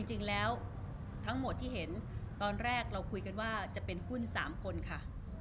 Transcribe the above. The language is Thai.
จริงแล้วทั้งหมดที่เห็นตอนแรกเราคุยกันว่าจะเป็นหุ้น๓คนค่ะ